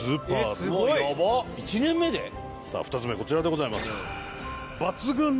さあ２つ目こちらでございます。